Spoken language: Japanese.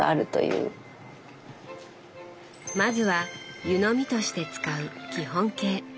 まずは湯飲みとして使う基本形。